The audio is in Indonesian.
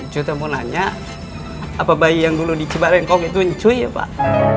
cukup mau nanya apa bayi yang dulu di cibarangkok itu ya pak